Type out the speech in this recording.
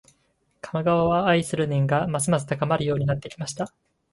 鴨川を愛する念がますます高まるようになってきました